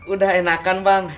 udah enakan bang